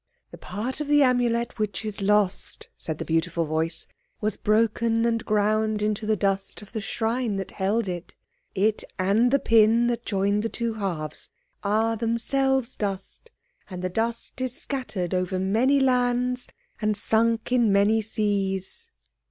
"The part of the Amulet which is lost," said the beautiful voice, "was broken and ground into the dust of the shrine that held it. It and the pin that joined the two halves are themselves dust, and the dust is scattered over many lands and sunk in many seas."